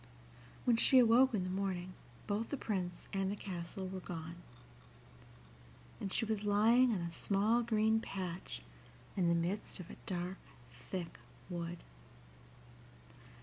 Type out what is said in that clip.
When she awoke in the morning both the Prince and the castle were gone, and she was lying on a small green patch in the midst of a dark, thick wood.